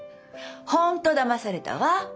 本当だまされたわ。